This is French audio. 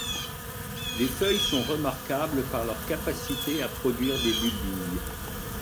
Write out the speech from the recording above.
Les feuilles sont remarquable par leur capacité à produire des bulbilles.